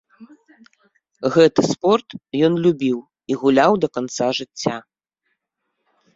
Гэты спорт ён любіў і гуляў да канца жыцця.